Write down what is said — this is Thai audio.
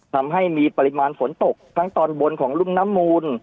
ทำให้มีปริมาณฝนตกทั้งตอนบนของรุ่มน้ำมูล